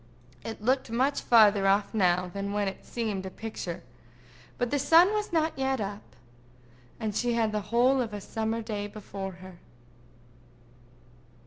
It looked much further off now than when it seemed a picture, but the sun was not yet up, and she had the whole of a summer day before her.